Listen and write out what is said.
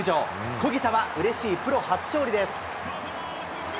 小木田はうれしいプロ初勝利です。